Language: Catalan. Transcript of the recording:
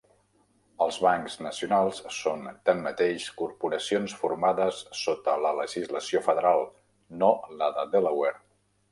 Els bancs nacionals són, tanmateix, corporacions formades sota la legislació federal, no la de Delaware.